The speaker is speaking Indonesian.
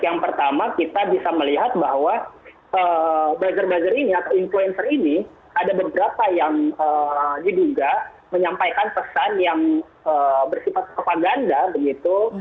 yang pertama kita bisa melihat bahwa buzzer buzzer ini atau influencer ini ada beberapa yang diduga menyampaikan pesan yang bersifat propaganda begitu